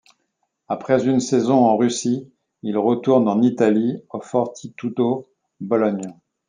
Après une saison en Russie, il retourne en Italie, au Fortitudo Bologne.